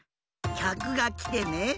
きゃくがきてね。